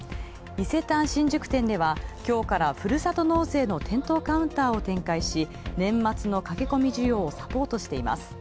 伊勢丹新宿店では今日からふるさと納税の店頭カウンターを展開し、年末のかけこみ需要をサポートしています。